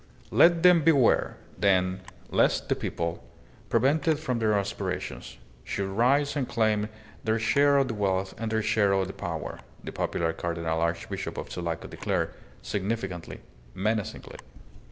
"Let them beware, then, lest the people, prevented from their aspirations, should rise and claim their share of the wealth and their share of the power," the popular Cardinal Archbishop of Sulaco declared, significantly, menacingly.